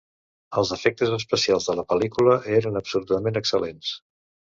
Els efectes especials de la pel·lícula eren absolutament excel·lents.